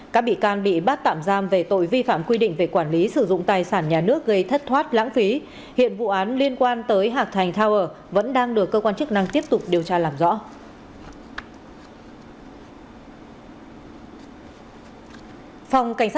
các bị can bị bắt tạm giam về tội vi phạm quy định về quản lý sử dụng tài sản nhà nước gây thất thoát lãng phí hiện vụ án liên quan tới hạc thành tower vẫn đang được cơ quan chức năng tiếp tục điều tra làm rõ